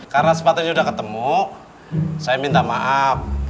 karena sepatunya sudah ketemu saya minta maaf